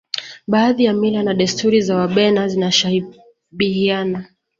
baadhi ya mila na desturi za wabena zinashabihiana